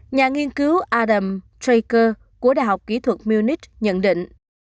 nhà nghiên cứu adam tra của đại học kỹ thuật munich nhận định